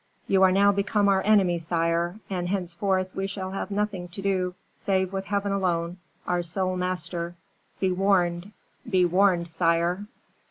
You are now become our enemy, sire, and henceforth we have nothing to do save with Heaven alone, our sole master. Be warned, be warned, sire.